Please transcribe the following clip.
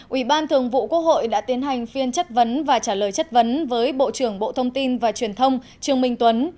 ủy ban thường vụ quốc hội đã tiến hành phiên chất vấn và trả lời chất vấn với bộ trưởng bộ thông tin và truyền thông trương minh tuấn